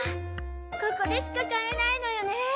ここでしか買えないのよね！